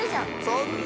そんな。